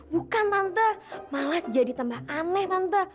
bukan nanta malah jadi tambah aneh tante